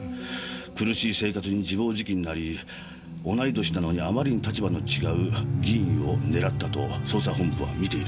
苦しい生活に自暴自棄になり同い年なのに余りに立場の違う議員を狙ったと捜査本部は見ているようです。